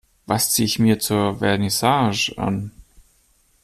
Was ziehe ich mir zur Vernissage an?